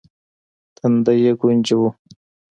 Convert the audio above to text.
تندی يې ګونجې و.